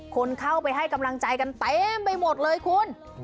คนเข้าไปให้กำลังใจกันเต็มไปหมดเลยคุณ